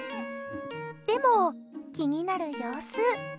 でも、気になる様子。